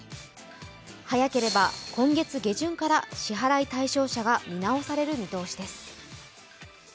早ければ今月下旬から支払い対象者が見直される見通しです。